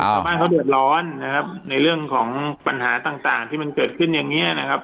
ชาวบ้านเขาเดือดร้อนนะครับในเรื่องของปัญหาต่างที่มันเกิดขึ้นอย่างนี้นะครับ